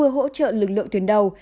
hỗ trợ lực lượng tuyến đầu